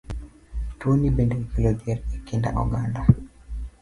Tuoni bende okelo dhier e kind oganda.